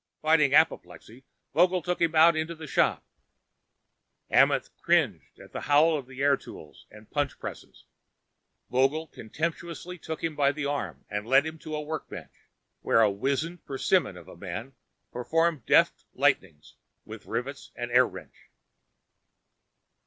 Fighting apoplexy, Vogel took him out into the shop. Amenth cringed at the howl of air tools and punch presses. Vogel contemptuously took him by the arm and led him to a workbench where a wizened persimmon of a man performed deft lightnings with rivets and air wrench.